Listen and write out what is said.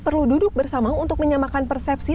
perlu duduk bersama untuk menyamakan persepsi